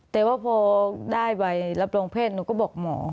แต่ว่าพอได้ใบรับรองแพทย์หนูก็บอกหมอ